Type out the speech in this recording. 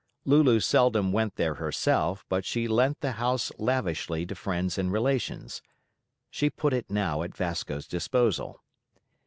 Lulu seldom went there herself, but she lent the house lavishly to friends and relations. She put it now at Vasco's disposal.